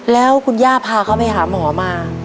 แล้วคุณย่าพาเขาไปหาหมอมา